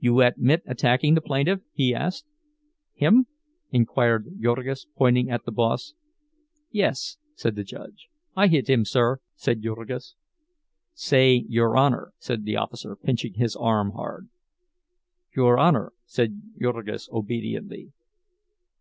"You admit attacking the plaintiff?" he asked. "Him?" inquired Jurgis, pointing at the boss. "Yes," said the judge. "I hit him, sir," said Jurgis. "Say 'your Honor,'" said the officer, pinching his arm hard. "Your Honor," said Jurgis, obediently.